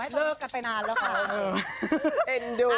อ๋อเลิกกันไปนานแล้วค่ะเอ็นดู